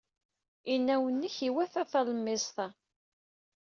Inaw-nnek iwata talemmiẓt-a.